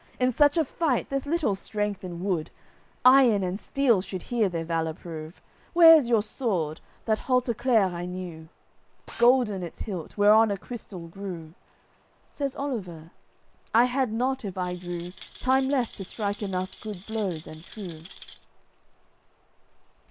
In such a fight, there's little strength in wood, Iron and steel should here their valour prove. Where is your sword, that Halteclere I knew? Golden its hilt, whereon a crystal grew." Says Oliver: "I had not, if I drew, Time left to strike enough good blows and true."